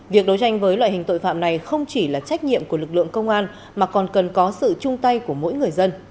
việc đấu tranh với loại hình tội phạm này không chỉ là trách nhiệm của lực lượng công an mà còn cần có sự chung tay của mỗi người dân